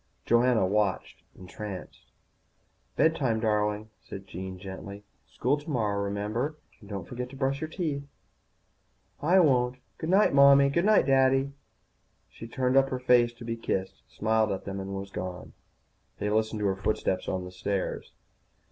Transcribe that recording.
Joanna watched entranced. "Bed time, darling," said Jean gently. "School tomorrow, remember? And don't forget to brush your teeth." "I won't. Goodnight, Mommy, goodnight, Daddy." She turned up her face to be kissed, smiled at them, and was gone. They listened to her footsteps on the stairs.